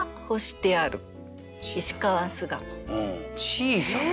「小さな」